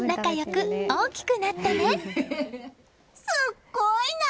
すごいな！